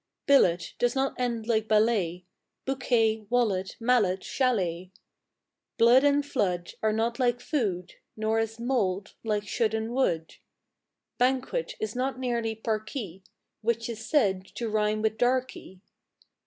Billet does not end like ballet; Bouquet, wallet, mallet, chalet; Blood and flood are not like food, Nor is mould like should and would. Banquet is not nearly parquet, Which is said to rime with "darky".